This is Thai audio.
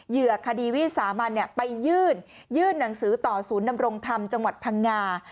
เหยื่อคดีวิสามันไปยื่นยื่นหนังสือต่อศูนย์ดำรงธรรมจังหวัดพังงา